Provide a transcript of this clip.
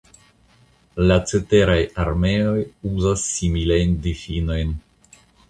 La ceteraj armeoj uzas similajn difinojn.